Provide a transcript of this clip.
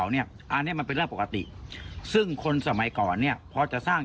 อันนี้มันเป็นเรื่องปกติซึ่งคนสมัยก่อนเนี่ยพอจะสร้าง